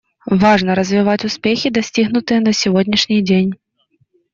Важно развивать успехи, достигнутые на сегодняшний день.